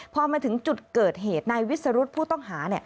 พอมาถึงจุดเกิดเหตุนายวิสรุธผู้ต้องหา